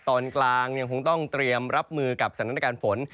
ตอนกลางยังคงต้องเตรียมรับมือกับสถานการณ์ฝน